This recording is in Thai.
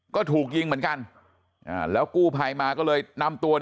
ก็ถูกยิงเหมือนกันแล้วกู้ภัยมาก็เลยนำตัว